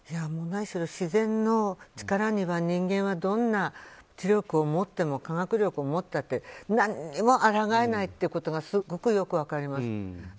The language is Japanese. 何しろ自然の力には人間はどんな知力を持っても科学力を持っても何もあらがえないということがすごくよく分かります。